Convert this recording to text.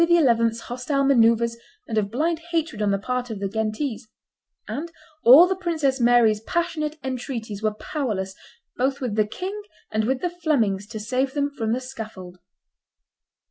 's hostile manoeuvres and of blind hatred on the part of the Ghentese; and all the Princess Mary's passionate entreaties were powerless both with the king and with the Flemings to save them from the scaffold.